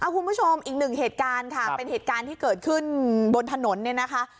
คุณผู้ชมอีกหนึ่งเหตุการณ์ค่ะเป็นเหตุการณ์ที่เกิดขึ้นบนถนนเนี่ยนะคะ